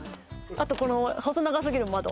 あとこの細長すぎる窓